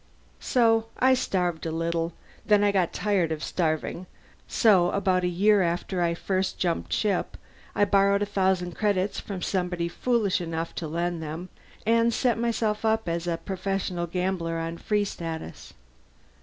"So I starved a little. Then I got tired of starving. So about a year after I first jumped ship I borrowed a thousand credits from somebody foolish enough to lend them, and set myself up as a professional gambler on Free Status.